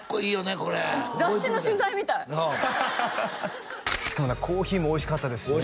これ雑誌の取材みたいしかもコーヒーもおいしかったですしね